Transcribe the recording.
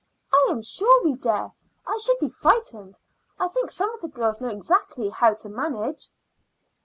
"I am sure we dare. I shouldn't be frightened. I think some of the girls know exactly how to manage."